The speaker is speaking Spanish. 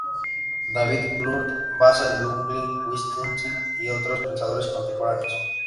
David Bloor basa en Ludwig Wittgenstein y otros pensadores contemporáneos.